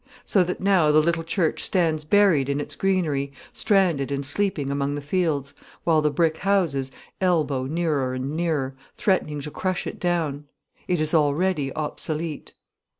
So that now the little church stands buried in its greenery, stranded and sleeping among the fields, while the brick houses elbow nearer and nearer, threatening to crush it down. It is already obsolete.